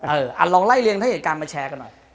ลองไล่เรียงถ้าเหตุการณ์มาแชร์กันหน่อย